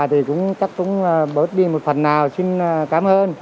thì cũng chắc cũng bớt đi một phần nào xin cảm ơn